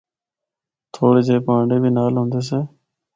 تھوڑے جئے پہانڈے وی نال ہوندے سے۔